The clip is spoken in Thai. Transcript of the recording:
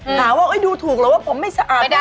หาว่าดูถูกแล้วว่าผมไม่สะอาด